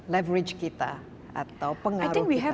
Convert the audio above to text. leverage kita atau pengaruh kita